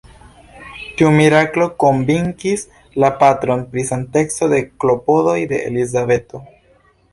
Tiu miraklo konvinkis la patron pri sankteco de klopodoj de Elizabeto.